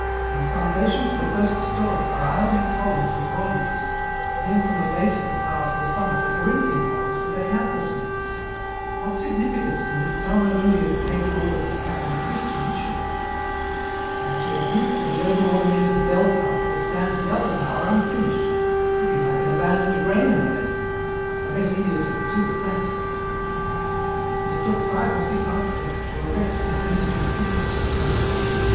"From the foundation to the first story are Ionic columns with volutes, then from the base of the tower to the summit are Corinthian columns with acanthus leaves. What significance can this salmagundi of pagan orders have on a Christian church? And as a rebuke to the over ornamented bell tower there stands the other tower unfinished, looking like an abandoned grain elevator, but the less hideous of the two, at that. "And it took five or six architects to erect this indigent heap of stones.